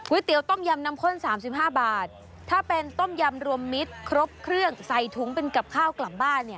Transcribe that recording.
วิติวต้มยำนำข้นสามสิบห้าบาทถ้าเป็นต้มยำรวมมิตรครบเครื่องใส่ทุงเป็นกับข้าวกล่ำบ้านเนี้ย